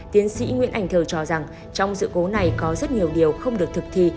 tiến sĩ nguyễn ảnh thờ cho rằng trong sự cố này có rất nhiều điều không được thực thi